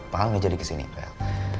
pak al gak jadi kesini fel